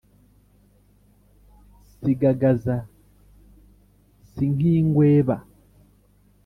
sigagaza si nk’ingweba